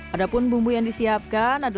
ada pun bumbu yang disiapkan